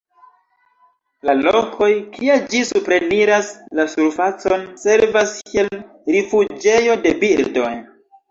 La lokoj, kie ĝi supreniras la surfacon, servas kiel rifuĝejo de birdoj.